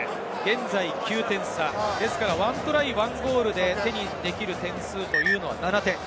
現在９点差、１トライ１ゴールで手に入れられるのは７点。